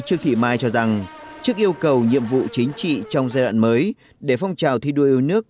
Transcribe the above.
trương thị mai cho rằng trước yêu cầu nhiệm vụ chính trị trong giai đoạn mới để phong trào thi đua yêu nước